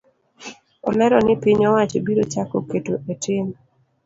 Olero ni piny owacho biro chako keto etim